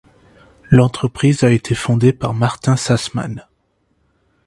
L'entreprise a été fondée par Martin Sassmann.